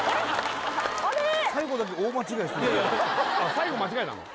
最後間違えたの？